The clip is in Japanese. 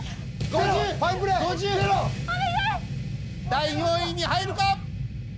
第４位に入るか！？